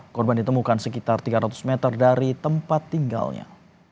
korban ditemukan sekitar tiga ratus meter dari tempat tinggalnya